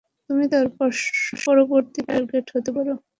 তুমি তার পরবর্তী টার্গেট হতে পারো।